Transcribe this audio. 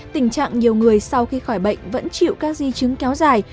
tình trạng nhiều người sau khi khỏi bệnh vẫn chịu các di chứng kéo dài